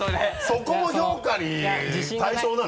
そこも評価に対象なの？